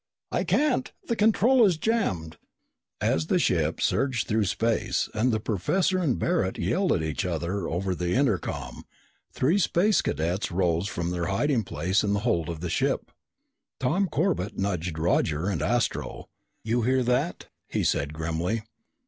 "I can't! The control is jammed!" As the ship surged through space and the professor and Barret yelled at each other over the intercom, three Space Cadets rose from their hiding place in the hold of the ship. Tom Corbett nudged Roger and Astro. "You hear that?" he said grimly.